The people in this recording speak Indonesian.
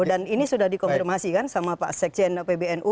dan ini sudah dikonfirmasi kan sama pak sekjen pbnu